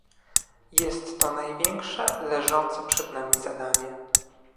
Jest to największe leżące przed nami zadanie